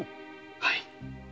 はい。